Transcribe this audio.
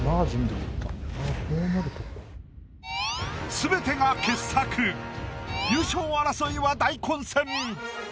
全てが傑作優勝争いは大混戦！